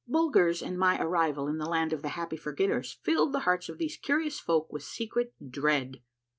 Bulger's and my arrival in the Land of the Happy Forgetters filled the hearts of these curious folk with secret dread.